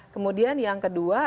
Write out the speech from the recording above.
kemudian yang kedua